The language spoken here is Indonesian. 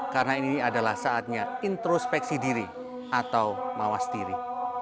karena ini adalah saatnya introspeksi diri atau mawas diri